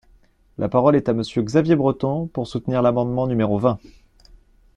La parole est à Monsieur Xavier Breton, pour soutenir l’amendement numéro vingt.